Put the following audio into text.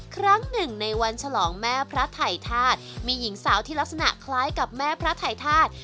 ครั้งหนึ่งในวันฉลองแม่พระไถทาสมีหญิงสาวที่ลักษณะคล้ายกับแม่พระไถทาส